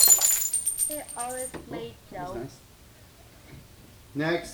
He always made jokes.